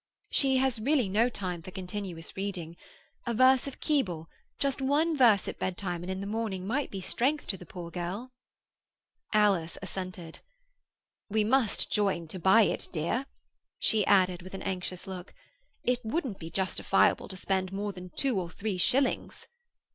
"She has really no time for continuous reading. A verse of Keble—just one verse at bedtime and in the morning might be strength to the poor girl." Alice assented. "We must join to buy it, dear," she added, with anxious look. "It wouldn't be justifiable to spend more than two or three shillings."